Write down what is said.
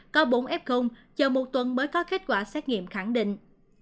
có bốn f chờ một tuần mới có kết quả xét nghiệm khẳng định